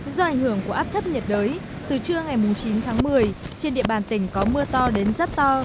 do ảnh hưởng của áp thấp nhiệt đới từ trưa ngày chín tháng một mươi trên địa bàn tỉnh có mưa to đến rất to